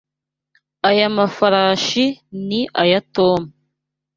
Aya mafarashi ni aya Tom.